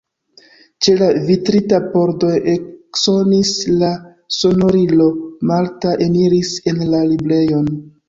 Ĉe la vitrita pordo eksonis la sonorilo, Marta eniris en la librejon.